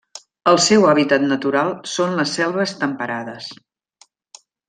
El seu hàbitat natural són les selves temperades.